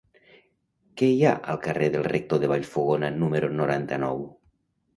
Què hi ha al carrer del Rector de Vallfogona número noranta-nou?